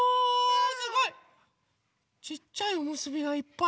すごい！ちっちゃいおむすびがいっぱい。